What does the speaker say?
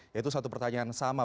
yaitu satu pertanyaan sama